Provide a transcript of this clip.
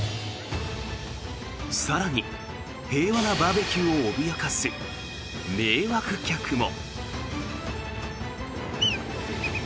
更に平和なバーベキューを脅かす迷惑客も。